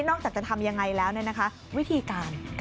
อกจากจะทำยังไงแล้ววิธีการ